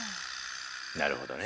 なるほどね。